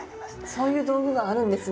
そういう道具があるんですね。